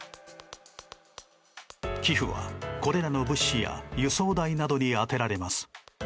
寄付は、これらの物資や輸送代などに充てられます。